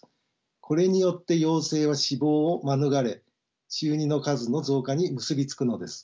これによって幼生は死亡を免れ稚ウニの数の増加に結び付くのです。